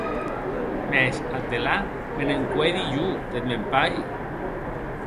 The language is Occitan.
Mès, ath delà, me n’encuedi jo deth mèn pair?